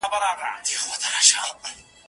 لوی د یکتاتور